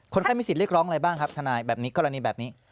ไข้มีสิทธิเรียกร้องอะไรบ้างครับทนายแบบนี้กรณีแบบนี้